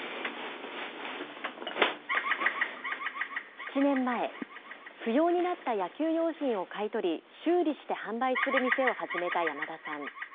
７年前、不要になった野球用品を買い取り、修理する店を始めた山田さん。